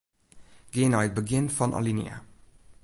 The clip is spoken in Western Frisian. Gean nei it begjin fan alinea.